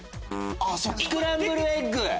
スクランブルエッグ！